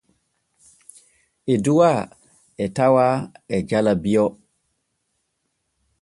Eduwaa e tawaa e jala Bio.